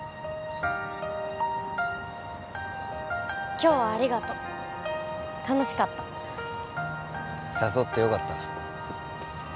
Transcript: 今日はありがとう楽しかった誘ってよかった